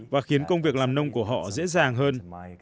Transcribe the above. và khiến công việc làm nông của họ dễ dàng hơn